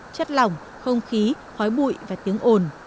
chất lỏng không khí khói bụi và tiếng ồn